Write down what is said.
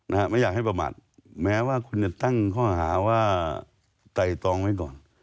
ไม่อยากให้ประมาทแม้ว่าคุณจะตั้งข้อหาว่าไตรตองไว้ก่อน